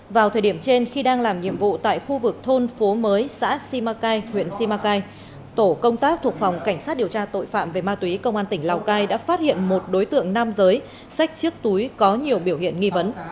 vào thời điểm trên khi đang làm nhiệm vụ tại khu vực thôn phố mới xã simacai huyện simacai tổ công tác thuộc phòng cảnh sát điều tra tội phạm về ma túy công an tỉnh lào cai đã phát hiện một đối tượng nam giới sách chiếc túi có nhiều biểu hiện nghi vấn